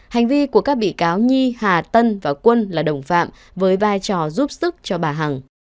hành vi của các bị cáo nhi hà tân và quân là đồng phạm với vai trò giúp sức cho bà hằng